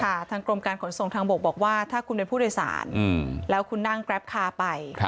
ทางกรมการขนส่งทางบกบอกว่าถ้าคุณเป็นผู้โดยสารแล้วคุณนั่งแกรปคาร์ไป